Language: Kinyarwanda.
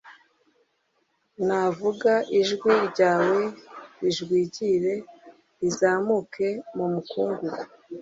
nuvuga, ijwi ryawe rijwigire rizamuke mu mukungugu,